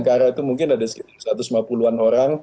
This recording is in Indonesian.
karena itu mungkin ada sekitar satu ratus lima puluh an orang